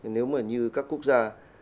nếu mà như các quốc gia